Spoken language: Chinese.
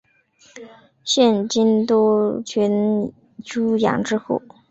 现今多为群猪养殖户。